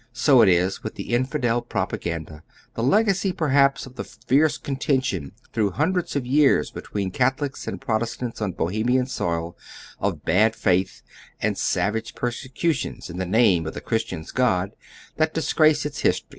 So it is with the infidel propaganda, the legacy per haps of the fierce contention through hundreds of years between Catholics and Protestants on Bohemia's soil, of bad faith and savage persecutions in the name of the Christians' God that disgrace its history.